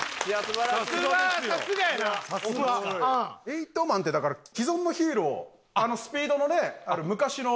「エイトマン」ってだから既存のヒーローあのスピードのね昔の。